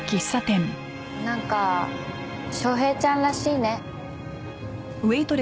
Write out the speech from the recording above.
なんか昌平ちゃんらしいね。